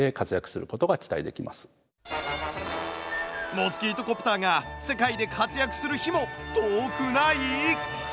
モスキートコプターが世界で活躍する日も遠くない？